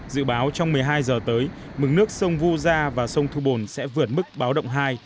dự báo trong một mươi hai giờ tới mực nước sông vu gia và sông thu bồn sẽ vượt mức báo động hai